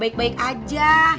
masih baik baik aja